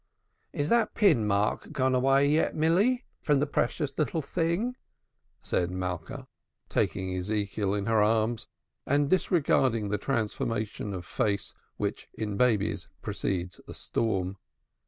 "Is that pin mark gone away yet, Milly, from the precious little thing?" said Malka, taking Ezekiel in her arms and disregarding the transformation of face which in babies precedes a storm.